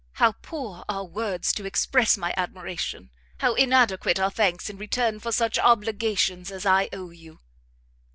How poor are words to express my admiration! how inadequate are thanks in return for such obligations as I owe you!"